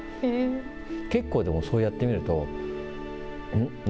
結構、でもそうやってみると、ん？